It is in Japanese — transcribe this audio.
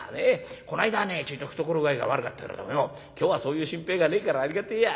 この間ねちょいと懐具合が悪かったけれどもよ今日はそういう心配がねえからありがてえや。